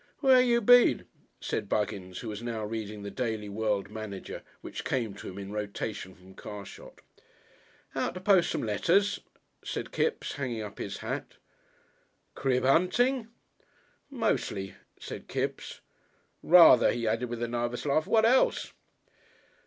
"Where you been?" said Buggins, who was now reading the Daily World Manager, which came to him in rotation from Carshot. "Out to post some letters," said Kipps, hanging up his hat. "Crib hunting?" "Mostly," said Kipps. "Rather," he added, with a nervous laugh; "what else?"